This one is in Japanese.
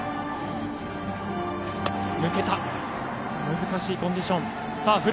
難しいコンディション。